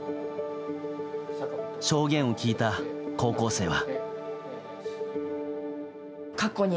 証言を聞いた高校生は。